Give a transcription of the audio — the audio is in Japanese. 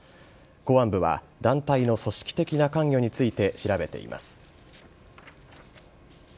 公安部は団体の組織的な関与について調べています。